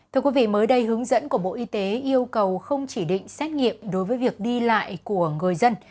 thưa quý vị mới đây hướng dẫn của bộ y tế yêu cầu không chỉ định xét nghiệm đối với việc đi lại của người dân